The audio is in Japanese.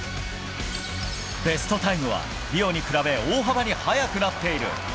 ベストタイムは、リオに比べ大幅に速くなっている。